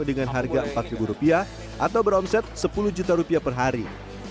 dengan harga rp empat atau beromset sepuluh juta rupiah per hari